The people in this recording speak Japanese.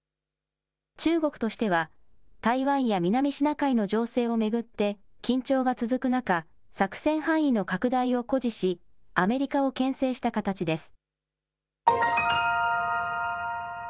中国としては、台湾や南シナ海の情勢を巡って、緊張が続く中、作戦範囲の拡大を誇示し、アメリカをけん制した形です。